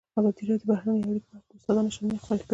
ازادي راډیو د بهرنۍ اړیکې په اړه د استادانو شننې خپرې کړي.